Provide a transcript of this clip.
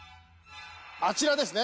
あちらですね。